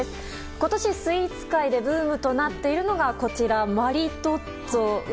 今年スイーツ界でブームとなっているのがこちら、マリトッツォ。